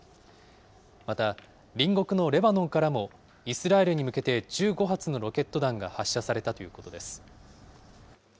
また、隣国のレバノンからもイスラエルに向けて１５発のロケット弾が発射されたということです。